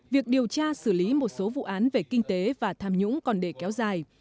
việc điều tra xử lý một số vụ án về kinh tế và tham nhũng còn để kéo dài